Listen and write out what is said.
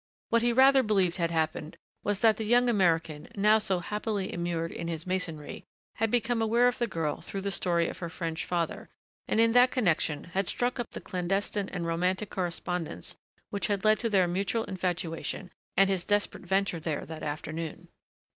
What he rather believed had happened was that the young American now so happily immured in his masonry had become aware of the girl through the story of her French father, and in that connection had struck up the clandestine and romantic correspondence which had led to their mutual infatuation and his desperate venture there that afternoon.